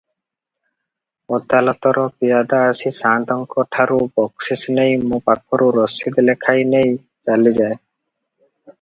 ଅଦାଲତର ପିଆଦା ଆସି ସାଆନ୍ତଙ୍କଠାରୁ ବକ୍ସିସ ନେଇ ମୋ ପାଖରୁ ରସିଦ ଲେଖାଇନେଇ ଚାଲିଯାଏ ।